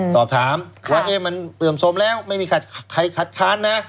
สอบถามว่าเอ๊ะมันเหลือมสมแล้วไม่มีใครคัดค้าน